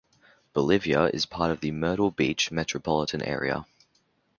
Bolivia is part of the Myrtle Beach metropolitan area.